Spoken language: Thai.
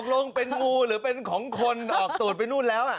ลงเป็นงูหรือเป็นของคนออกตรวจไปนู่นแล้ว